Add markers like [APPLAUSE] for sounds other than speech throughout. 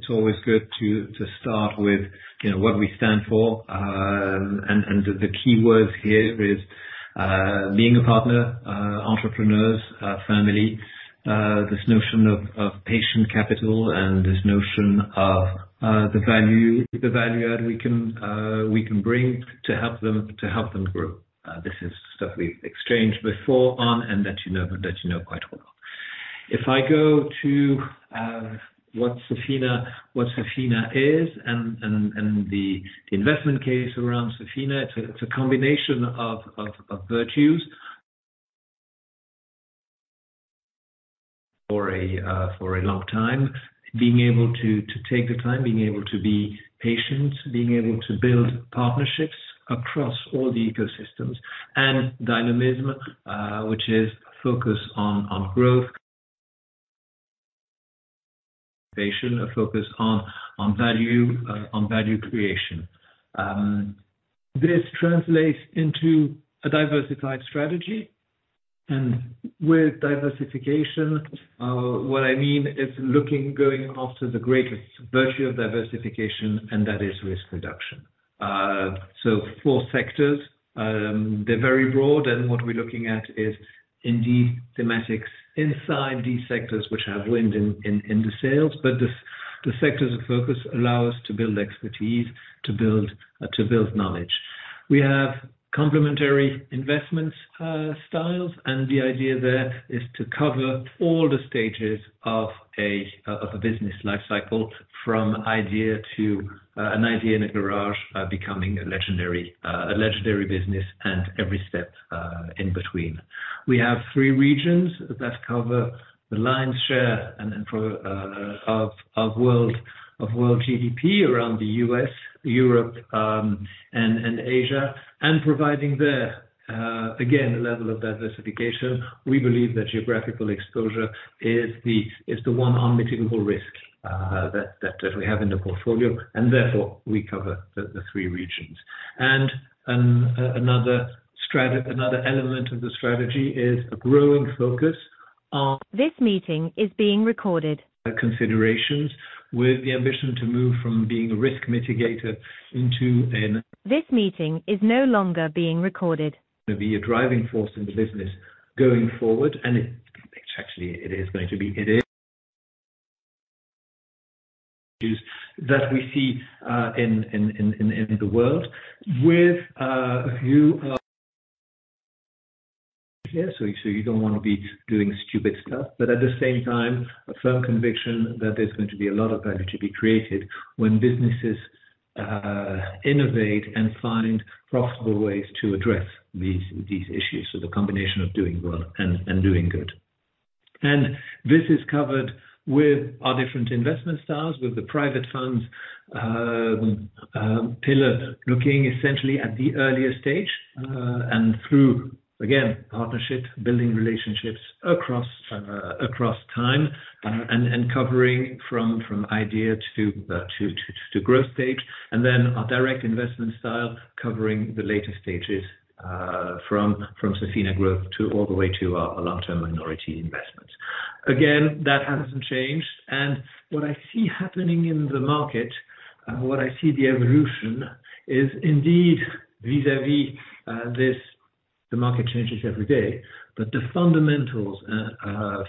It's always good to start with, you know, what we stand for. And the key words here is being a partner, entrepreneurs, family, this notion of patient capital and this notion of the value add we can bring to help them grow. This is stuff we've exchanged before on and that you know quite well. If I go to what Sofina is and the investment case around Sofina, it's a combination of virtues. For a long time, being able to take the time, being able to be patient, being able to build partnerships across all the ecosystems and dynamism, which is focused on growth. They should focus on value creation. This translates into a diversified strategy and with diversification, what I mean is going after the greatest virtue of diversification, and that is risk reduction. So four sectors. They're very broad, and what we're looking at is indeed thematics inside these sectors which have wind in the sails, but the sectors of focus allow us to build expertise, to build knowledge. We have complementary investment styles, and the idea there is to cover all the stages of a business life cycle, from idea to an idea in a garage, becoming a legendary business and every step in between. We have three regions that cover the lion's share of world GDP around the U.S., Europe, and Asia, and providing there, again, a level of diversification. We believe that geographical exposure is the one unmitigable risk that we have in the portfolio, and therefore, we cover the three regions. And, another element of the strategy is a growing focus on. [CROSSTALK] This meeting is being recorded. Considerations with the ambition to move from being a risk mitigator into an. [CROSSTALK] This meeting is no longer being recorded. Be a driving force in the business going forward, and it actually is going to be. It is. Is that we see in the world with you. Yeah, so, so you don't want to be doing stupid stuff, but at the same time, a firm conviction that there's going to be a lot of value to be created when businesses innovate and find profitable ways to address these issues. So the combination of doing well and doing good. And this is covered with our different investment styles, with the private funds pillar, looking essentially at the earlier stage and through, again, partnership, building relationships across time and covering from idea to growth stage, and then our direct investment style covering the later stages from Sofina Growth to all the way to our long-term minority investment. Again, that hasn't changed. And what I see happening in the market, what I see the evolution is indeed vis-à-vis this, the market changes every day, but the fundamentals,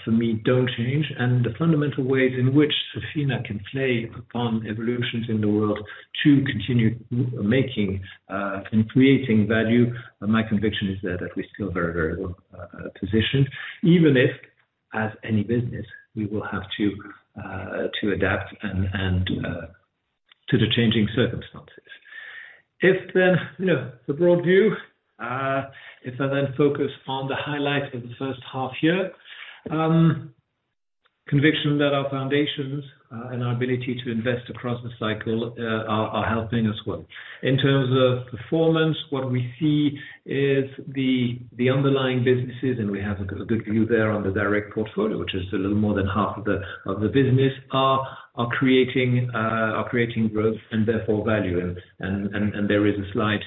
for me, don't change. And the fundamental ways in which Sofina can play upon evolutions in the world to continue making and creating value, my conviction is that we're still very, very well positioned. Even if, as any business, we will have to adapt to the changing circumstances. If then, you know, the broad view, if I then focus on the highlights of the first half year, conviction that our foundations and our ability to invest across the cycle are helping us well. In terms of performance, what we see is the underlying businesses, and we have a good view there on the direct portfolio, which is a little more than half of the business, are creating growth and therefore value. There is a slide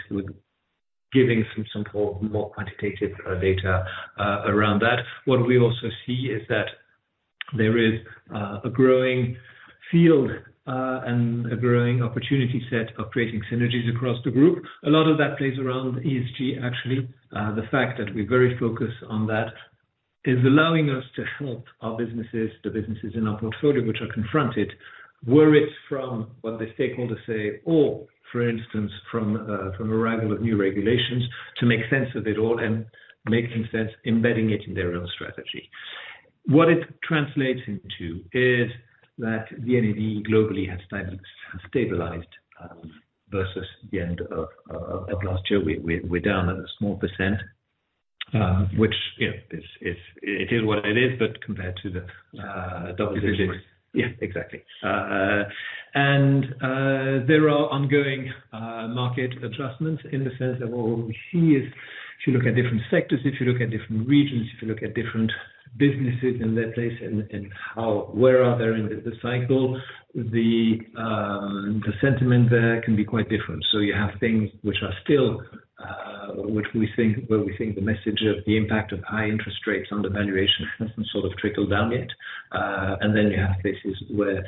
with giving some more quantitative data around that. What we also see is that there is a growing field and a growing opportunity set of creating synergies across the group. A lot of that plays around ESG, actually. The fact that we're very focused on that is allowing us to help our businesses, the businesses in our portfolio, which are confronted, whether it's from what the stakeholders say or for instance, from arrival of new regulations, to make sense of it all and making sense, embedding it in their own strategy. What it translates into is that the NAV globally has stabilized versus the end of last year. We're down a small percent, which you know is it is what it is, but compared to the double digits. Yeah, exactly. There are ongoing market adjustments in the sense that what we see is if you look at different sectors, if you look at different regions, if you look at different businesses in that place and how, where they are in the cycle, the sentiment there can be quite different. So you have things where we think the message of the impact of high interest rates on the valuation hasn't sort of trickled down yet. And then you have cases where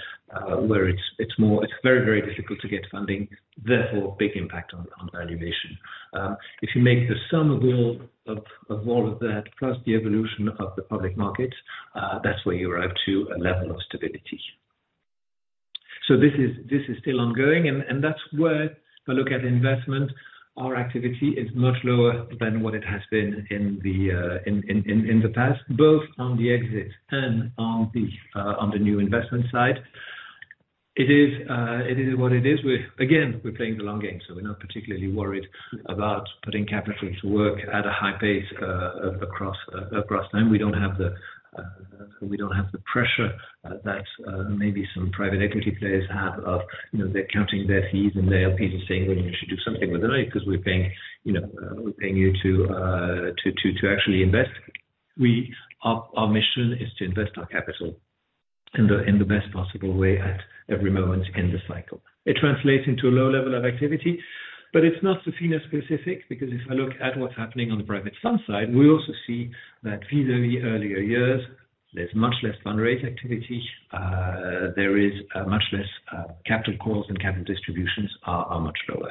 it's very, very difficult to get funding, therefore, big impact on valuation. If you make the sum of all of that, plus the evolution of the public market, that's where you arrive to a level of stability. So this is still ongoing, and that's where if I look at investment, our activity is much lower than what it has been in the past, both on the exit and on the new investment side. It is what it is. We again, we're playing the long game, so we're not particularly worried about putting capital to work at a high pace across time. We don't have the pressure that maybe some private equity players have of, you know, they're counting their fees, and their fees are saying, "Well, you should do something with it because we're paying, you know, we're paying you to actually invest." We, our mission is to invest our capital in the best possible way at every moment in the cycle. It translates into a low level of activity, but it's not Sofina-specific, because if I look at what's happening on the private fund side, we also see that vis-à-vis earlier years, there's much less fundraise activity, there is much less capital calls and capital distributions are much lower.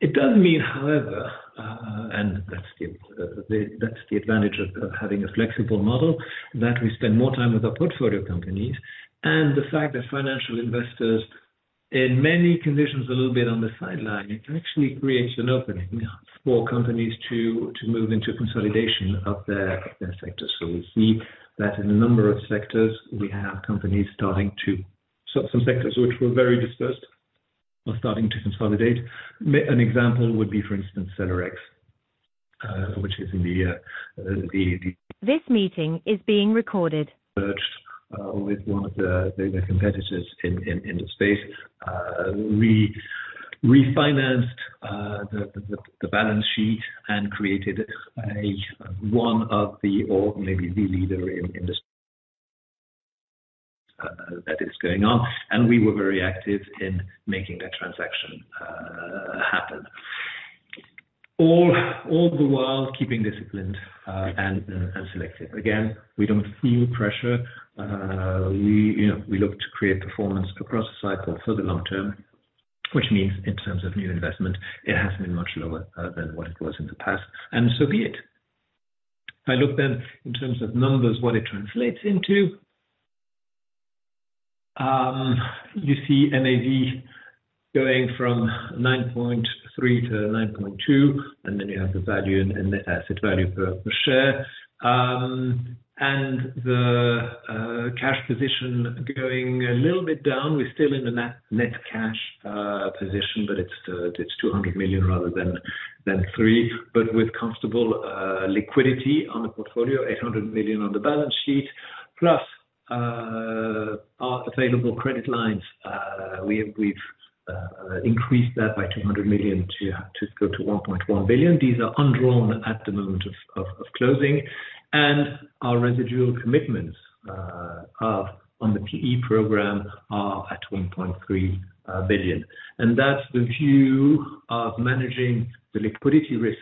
It does mean, however, and that's the advantage of having a flexible model, that we spend more time with our portfolio companies, and the fact that financial investors in many conditions a little bit on the sideline, it actually creates an opening for companies to move into consolidation of their sector. So we see that in a number of sectors, we have companies starting to, some sectors which were very dispersed are starting to consolidate. An example would be, for instance, SellerX, which is in the. [CROSSTALK] This meeting is being recorded. With one of their competitors in the space. We refinanced the balance sheet and created one of the, or maybe the leader in industry. That is going on, and we were very active in making that transaction happen. All the while keeping disciplined and selective. Again, we don't feel pressure. You know, we look to create performance across the cycle for the long term, which means in terms of new investment, it has been much lower than what it was in the past, and so be it. If I look then in terms of numbers, what it translates into, you see NAV going from 9.3 million to 9.2 million, and then you have the value and the asset value per share. And the cash position going a little bit down. We're still in the net cash position, but it's 200 million rather than 300 million, but with comfortable liquidity on the portfolio, 800 million on the balance sheet, plus our available credit lines, we've increased that by 200 million to go to 1.1 billion. These are undrawn at the moment of closing, and our residual commitments on the PE program are at 1.3 billion. That's the view of managing the liquidity risk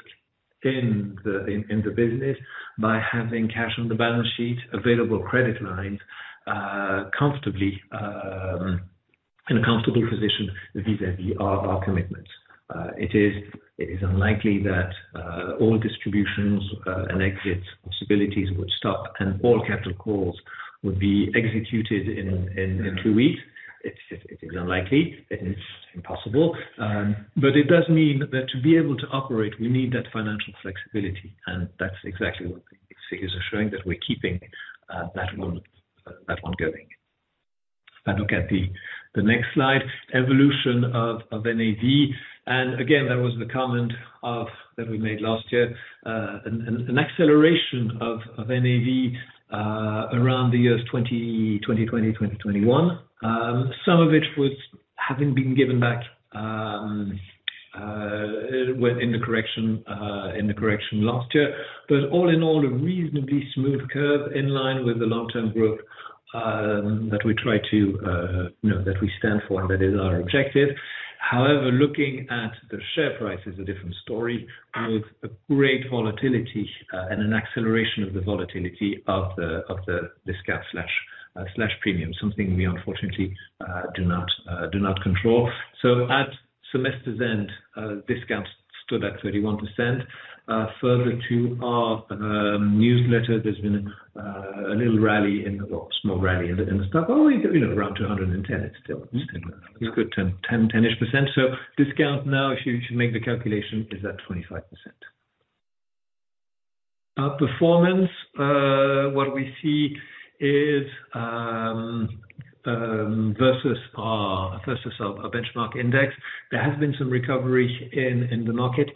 in the business by having cash on the balance sheet, available credit lines, comfortably, in a comfortable position vis-à-vis our commitments. It is unlikely that all distributions and exit possibilities would stop and all capital calls would be executed in inventories. It's unlikely, it's impossible, but it does mean that to be able to operate, we need that financial flexibility, and that's exactly what the figures are showing, that we're keeping that one going. If I look at the next slide, evolution of NAV. And again, that was the comment of that we made last year, an acceleration of NAV around the years 2020, 2021. Some of it was having been given back, when in the correction last year. But all in all, a reasonably smooth curve in line with the long-term growth, that we try to, you know, that we stand for, and that is our objective. However, looking at the share price is a different story, with a great volatility and an acceleration of the volatility of the, of the discount slash, slash premium, something we unfortunately, do not control. So at semester's end, discount stood at 31%. Further to our newsletter, there's been a little rally in the, or small rally in the stock. Only, you know, around 210, it's still good 10-ish%. So discount now, if you should make the calculation, is at 25%. Our performance, what we see is, versus our benchmark index, there has been some recovery in the market,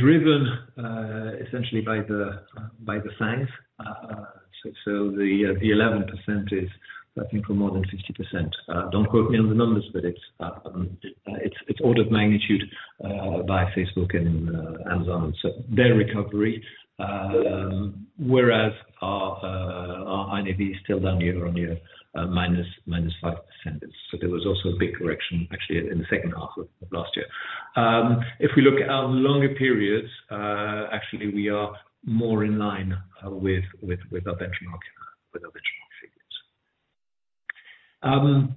driven essentially by the FAANGs. So the 11% is I think for more than 50%. Don't quote me on the numbers, but it's order of magnitude by Facebook and Amazon. So their recovery, whereas our NAV is still down year-on-year, -5%. So there was also a big correction actually in the second half of last year. If we look at our longer periods, actually, we are more in line with our benchmark.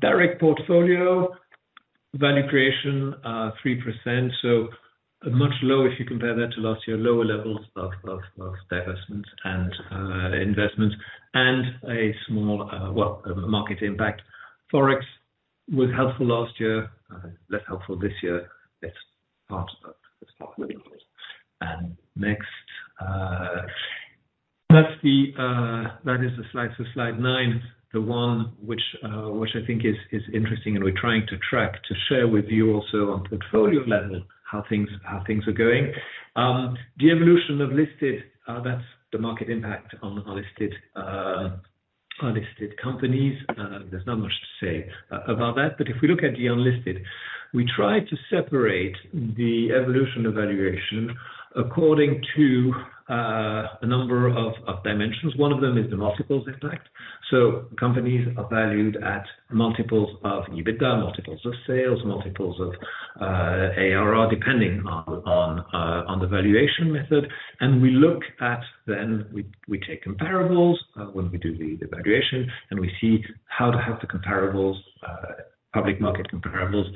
Direct portfolio value creation, 3%. So much lower if you compare that to last year, lower levels of divestments and investments, and a small, well, market impact. Forex was helpful last year, less helpful this year. It's part of it. And next, that's the slide. So Slide 9, the one which I think is interesting and we're trying to track to share with you also on portfolio level, how things are going. The evolution of listed, that's the market impact on unlisted companies. There's not much to say about that, but if we look at the unlisted, we try to separate the evolution of valuation according to a number of dimensions. One of them is the multiples impact. So companies are valued at multiples of EBITDA, multiples of sales, multiples of ARR, depending on the valuation method. And we look at then we take comparables when we do the valuation, and we see how the comparables public market comparables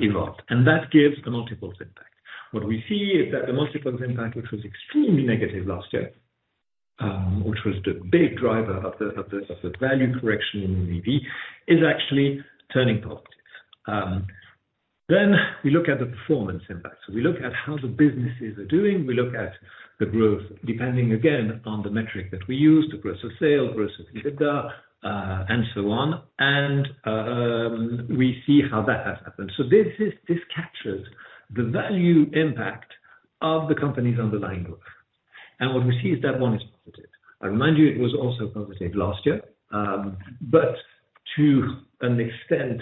evolved. And that gives the multiples impact. What we see is that the multiples impact, which was extremely negative last year, which was the big driver of the value correction in NAV, is actually turning positive. Then we look at the performance impact. So we look at how the businesses are doing, we look at the growth, depending, again, on the metric that we use, the growth of sale, growth of EBITDA, and so on, and we see how that has happened. So this is, this captures the value impact of the company's underlying growth. What we see is that one is positive. I remind you, it was also positive last year, but to an extent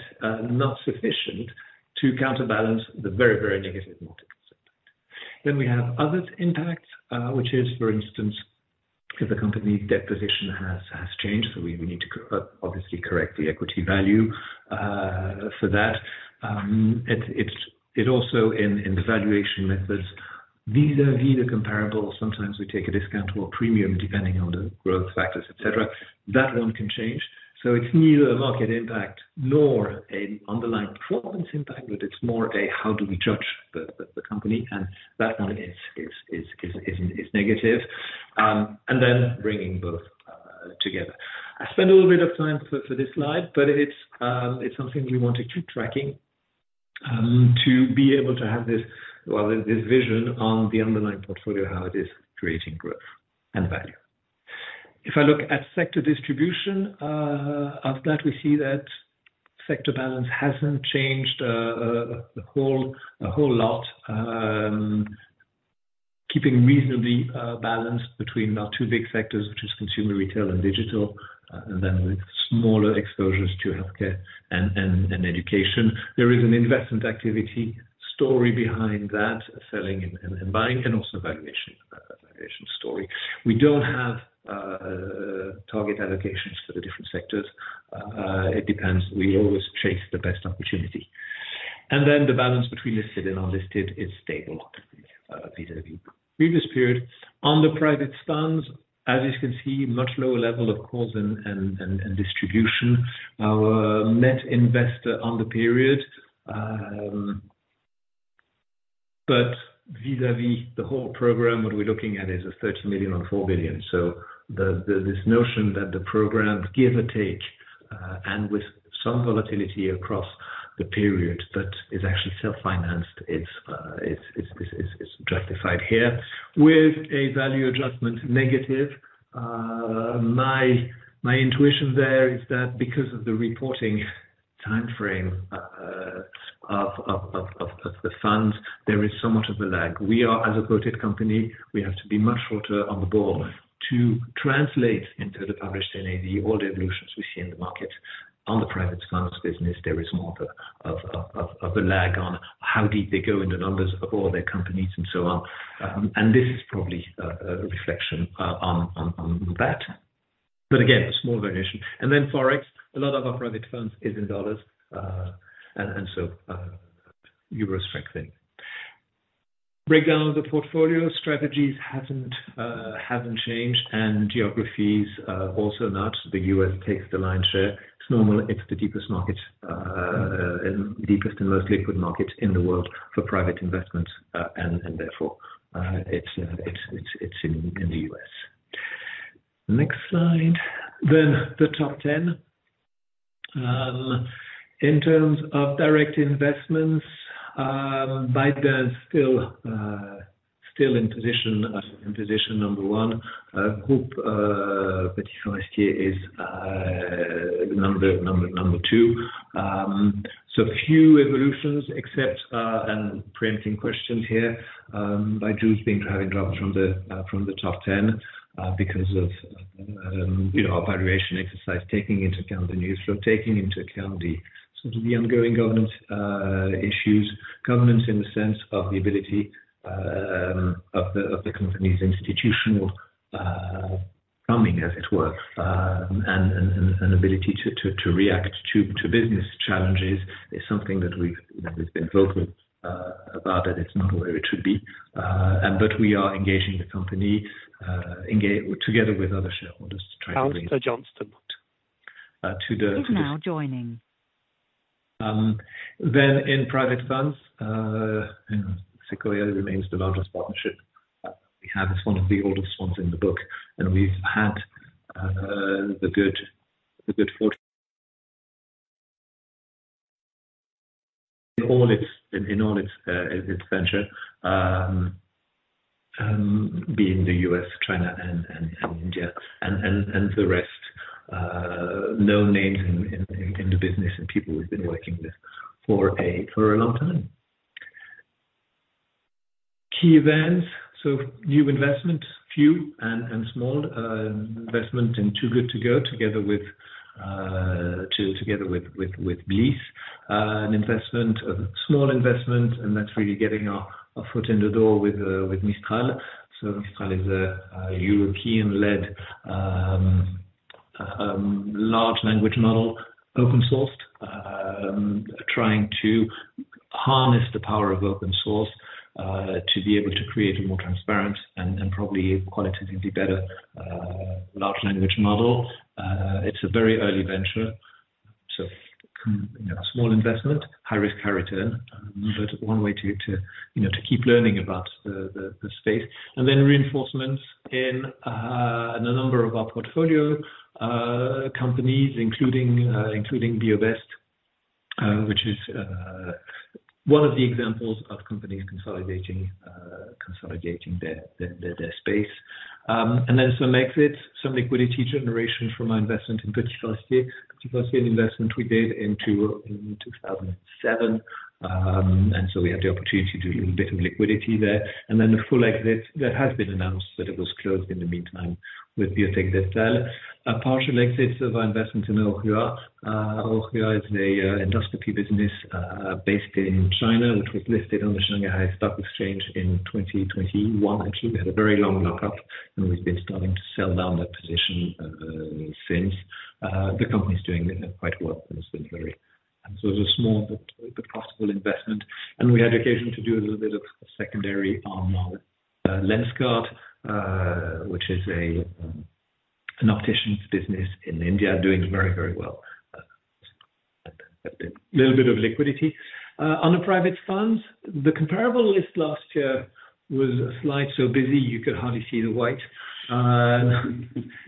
not sufficient to counterbalance the very, very negative multiple impact. Then we have other impacts, which is, for instance, if the company's debt position has changed, so we need to obviously correct the equity value for that. It's also in the valuation methods, vis-à-vis the comparable, sometimes we take a discount or a premium depending on the growth factors, et cetera. That one can change. So it's neither a market impact nor an underlying performance impact, but it's more a how do we judge the company, and that one is negative. And then bringing both together. I spent a little bit of time for this slide, but it's something we want to keep tracking, to be able to have this, well, this vision on the underlying portfolio, how it is creating growth and value. If I look at sector distribution, after that, we see that sector balance hasn't changed a whole lot, keeping reasonably balanced between our two big sectors, which is consumer retail and digital, and then with smaller exposures to healthcare and education. There is an investment activity story behind that, selling and buying, and also valuation story. We don't have target allocations for the different sectors. It depends. We always chase the best opportunity. And then the balance between listed and unlisted is stable vis-à-vis previous period. On the private funds, as you can see, much lower level, of course, and distribution. Our net investment on the period, but vis-à-vis the whole program, what we're looking at is 30 million on 4 billion. So this notion that the programs give or take, and with some volatility across the period, but is actually self-financed, it's justified here with a value adjustment negative. My intuition there is that because of the reporting timeframe of the funds, there is somewhat of a lag. We are as a quoted company, we have to be much quicker on the ball to translate into the published NAV all the evolutions we see in the market. On the private funds business, there is more of a lag on how deep they go in the numbers of all their companies and so on. And this is probably a reflection on that. But again, a small variation. And then Forex, a lot of our private funds is in dollars, and so euro strengthening. Breakdown of the portfolio strategies hasn't changed, and geographies also not. The U.S. takes the lion's share. It's normal, it's the deepest market, deepest and most liquid market in the world for private investment, and therefore it's in the U.S. Next slide. Then the top 10. In terms of direct investments, ByteDance is still in position number one. Groupe Petit Forestier is number 2. So few evolutions except, and preempting questions here, Byju's being driving drops from the top 10, because of our valuation exercise, taking into account the news flow, taking into account the sort of the ongoing governance issues. Governance in the sense of the ability of the company's institutional plumbing, as it were, and ability to react to business challenges is something that we've, you know, been vocal about it. It's not where it should be, and we are engaging the company together with other shareholders to try to raise. Councillor Johnston is now joining. Then in private funds, you know, Sequoia remains the largest partnership. We have as one of the oldest ones in the book, and we've had the good fortune. In all its ventures in the U.S., China, and India, and the rest, known names in the business and people we've been working with for a long time. Key events, so new investment, few and small investment in Too Good To Go, together with GLEIF, a small investment, and that's really getting our foot in the door with Mistral. So Mistral is a European-led large language model, open sourced, trying to harness the power of open source to be able to create a more transparent and probably qualitatively better large language model. It's a very early venture, so, you know, a small investment, high risk, high return, but one way to, to, you know, to keep learning about the space. And then reinforcements in a number of our portfolio companies, including Biobest, which is one of the examples of companies consolidating their space. And then some exits, some liquidity generation from our investment in Petit Forestier. Petit Forestier, an investment we did in 2007. And so we had the opportunity to do a little bit of liquidity there. Then a full exit that has been announced, but it was closed in the meantime with Biotech Dental. A partial exit of our investment in Aohua. Aohua is an endoscopy business based in China, which was listed on the Shanghai Stock Exchange in 2021. Actually, we had a very long lockup, and we've been starting to sell down that position since. The company's doing quite well since then. And so it was a small but possible investment, and we had the occasion to do a little bit of secondary on Lenskart, which is an optician's business in India, doing very, very well. A little bit of liquidity. On the private funds, the comparable list last year was a slide so busy you could hardly see the white.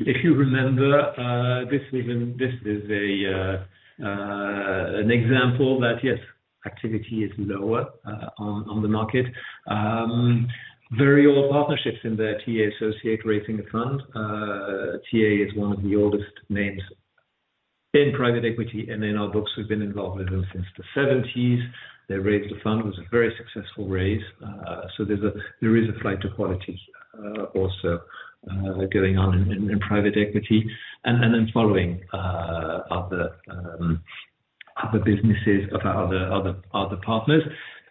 If you remember, this is an example that yes, activity is lower on the market. Very old partnerships in the TA Associates raising a fund. TA is one of the oldest names in private equity, and in our books, we've been involved with them since the seventies. They raised a fund. It was a very successful raise. So there is a flight to quality also going on in private equity, and then following other businesses of our other partners.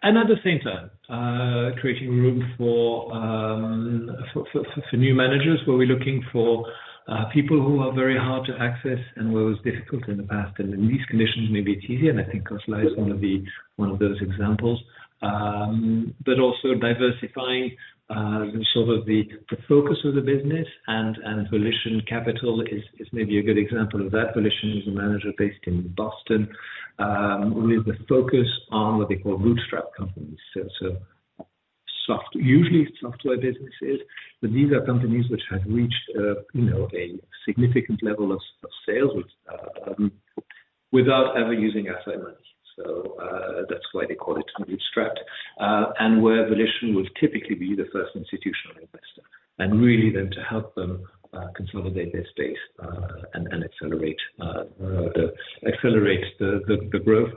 And at the same time, creating room for new managers, where we're looking for people who are very hard to access and where it was difficult in the past, and in these conditions, maybe it's easier, and I think Khosla is one of those examples. But also diversifying sort of the focus of the business and Volition Capital is maybe a good example of that. Volition is a manager based in Boston, with the focus on what they call bootstrap companies. So usually software businesses, but these are companies which have reached a, you know, a significant level of sales without ever using asset money. So that's why they call it bootstrap. And where Volition would typically be the first institutional investor, and really then to help them consolidate their space, and accelerate the growth.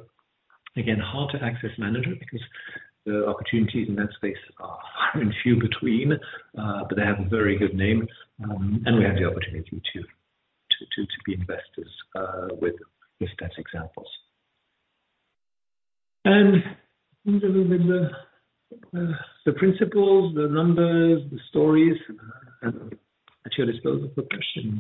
Again, hard to access manager because the opportunities in that space are few between, but they have a very good name, and we have the opportunity to be investors with that examples. And a little bit the principles, the numbers, the stories at your disposal for questions?